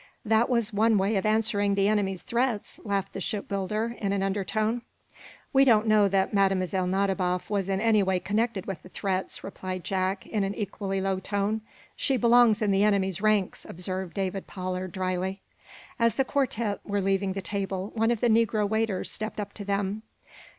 "That was one way of answering the enemy's threats," laughed the shipbuilder, in an undertone. "We don't know that Mlle. Nadiboff was in any way connected with the threats," replied Jack, in an equally low tone. "She belongs in the enemy's ranks," observed David Pollard, dryly. As the quartette were leaving the table one of the negro waiters stepped up to them.